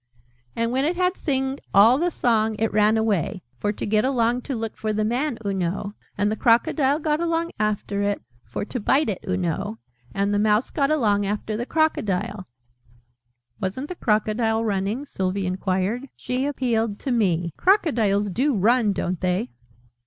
"And when it had singed all the Song, it ran away for to get along to look for the Man, oo know. And the Crocodile got along after it for to bite it, oo know. And the Mouse got along after the Crocodile." "Wasn't the Crocodile running?" Sylvie enquired. She appealed to me. "Crocodiles do run, don't they?"